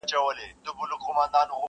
ستا د غېږي یو ارمان مي را پوره کړه،